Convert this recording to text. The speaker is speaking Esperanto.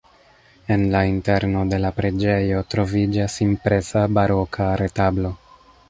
En la interno de la preĝejo troviĝas impresa baroka retablo.